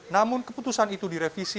namun keputusan itu direvisi